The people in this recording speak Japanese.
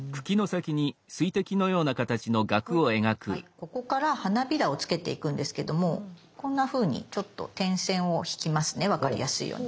ここから花びらをつけていくんですけどもこんなふうにちょっと点線を引きますね分かりやすいように。